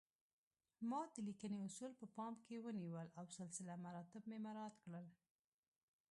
ما د لیکنې اصول په پام کې ونیول او سلسله مراتب مې مراعات کړل